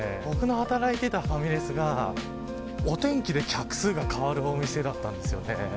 僕の働いてたファミレスがお天気で客数が変わるお店だったんですよね。